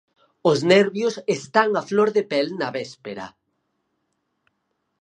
Os nervios están a flor de pel na véspera.